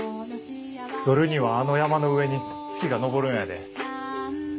夜にはあの山の上に月が昇るんやで。